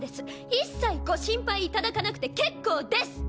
一切ご心配いただかなくて結構です！